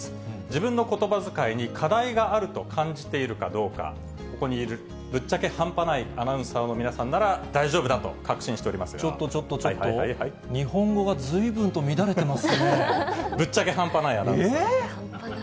自分のことばづかいに課題があると感じているかどうか、ここにいる、ぶっちゃけ半端ないアナウンサーの皆さんなら大丈夫だと確信してちょっとちょっとちょっと、ぶっちゃけ半端ないアナウンえー。